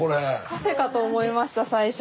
カフェかと思いました最初。